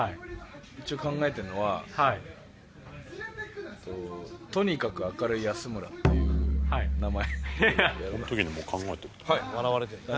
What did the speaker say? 一応考えてるのはえっととにかく明るい安村っていう名前。